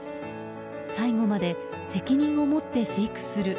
最後まで責任を持って飼育する。